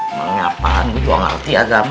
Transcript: emangnya apaan gue juga gak ngerti agama